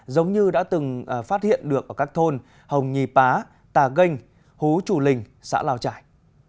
giống như đã từng phát hiện được ở các thôn hồng nhì pá tà gênh hú chủ linh xã lào trải